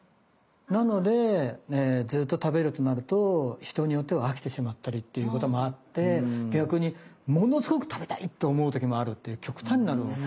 なのでずっと食べるとなると人によっては飽きてしまったりっていうこともあって逆にものすごく食べたい！と思う時もあるっていう極端なお米。